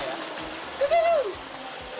seperti ini ya